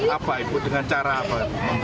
apa ibu dengan cara apa